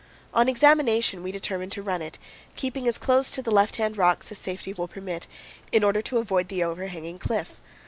On examination we determine to run it, keeping as close to the left hand rocks as safety will permit, in order to avoid the overhanging cliff.